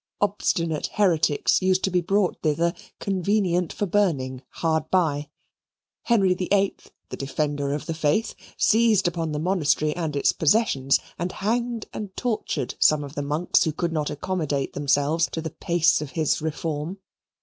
Obstinate heretics used to be brought thither convenient for burning hard by. Henry VIII, the Defender of the Faith, seized upon the monastery and its possessions and hanged and tortured some of the monks who could not accommodate themselves to the pace of his reform.